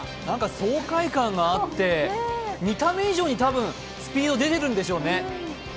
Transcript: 爽快感があって、見た目以上に多分スピードが出てるんでしょうね。